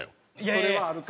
それはあるか。